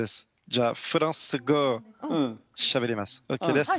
じゃあフランス語しゃべります。